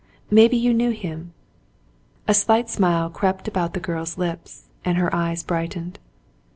Maybe you knew him .^" A slight smile crept about the girl's lips, and her eyes brightened.